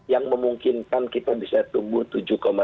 yang memungkinkan kita bisa tumbuh tujuh tujuh ya